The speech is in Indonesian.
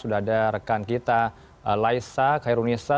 sudah ada rekan kita laisa kairunisa